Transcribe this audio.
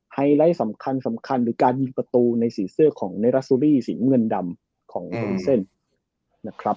ไฮไลท์สำคัญสำคัญหรือการยิงประตูในสีเสื้อของเนรัสซูรีสีเมืองดำของเอลิเซนต์